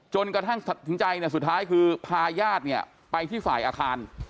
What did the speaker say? กระทั่งตัดสินใจสุดท้ายคือพาญาติเนี่ยไปที่ฝ่ายอาคาร